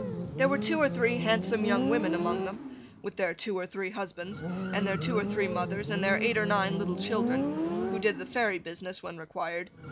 There were two or three handsome young women among them, with their two or three husbands, and their two or three mothers, and their eight or nine little children, who did the fairy business when required.